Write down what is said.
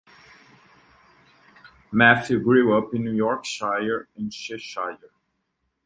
Matthews grew up in Yorkshire and Cheshire.